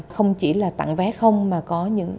không chỉ là tặng vé không